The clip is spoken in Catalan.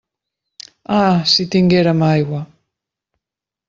Ah, si tinguérem aigua!